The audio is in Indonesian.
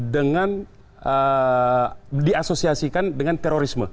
dengan di asosiasikan dengan terorisme